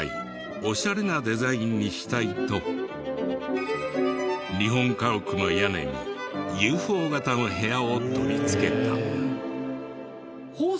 オシャレなデザインにしたいと日本家屋の屋根にＵＦＯ型の部屋を取り付けた。